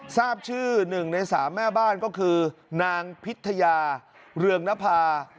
ทราบชื่อ๑ใน๓แม่บ้านก็คือนางพิทยาเรืองนภา